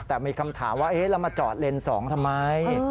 แต่มีคำถามว่าแล้วมาจอดเลนส์๒ทำไม